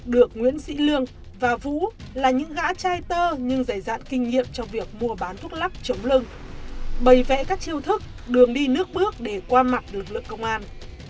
được nguyễn sĩ lương và vũ là những gã trai tơ nhưng dày dạn kinh nghiệm trong việc mua bán thuốc lắc chống lưng bày vẽ các chiêu thức đường đi nước bước để qua mặt lực lượng công an